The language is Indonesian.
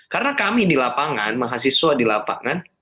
karena kami di lapangan mahasiswa di lapangan